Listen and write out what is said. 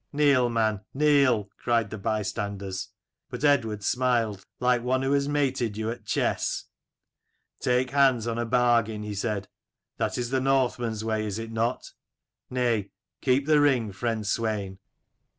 ' Kneel, man, kneel !' cried the bystanders : but Eadward smiled, like one who has mated you at chess. "'Take hands on a bargain,' he said: 'that is the Northman's way, is it not? Nay, keep the ring, friend Swein.'